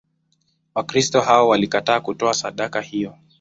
Wakristo hao walikataa kutoa sadaka hiyo.